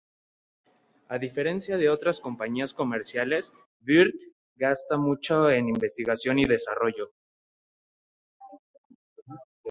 A diferencia de otras compañías comerciales, Würth gasta mucho en investigación y desarrollo.